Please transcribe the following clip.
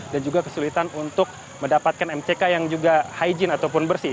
dan juga kesulitan untuk mendapatkan mck yang juga hijin ataupun bersih